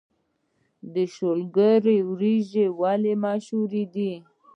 شولګرې وريجې ولې مشهورې دي؟